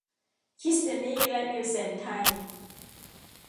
คริสเตียนีและนีลเส็น ไทย